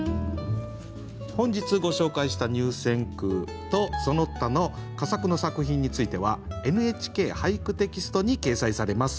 本日ご紹介した入選句とその他の佳作の作品については「ＮＨＫ俳句」テキストに掲載されます。